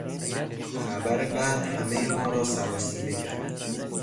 خبر بد همهی ما را سراسیمه کرد.